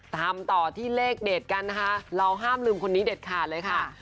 ต่อที่เลขเด็ดกันนะคะเราห้ามลืมคนนี้เด็ดขาดเลยค่ะ